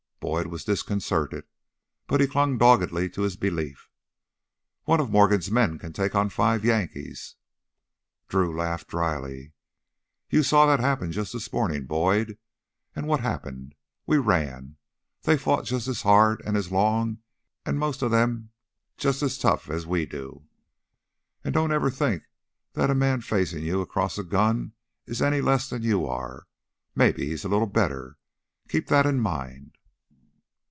Boyd was disconcerted, but he clung doggedly to his belief. "One of Morgan's men can take on five Yankees." Drew laughed dryly. "You saw that happen just this mornin', Boyd. And what happened? We ran. They fight just as hard and as long, and most of them just as tough as we do. And don't ever think that the man facin' you across a gun is any less than you are; maybe he's a little better. Keep that in mind!"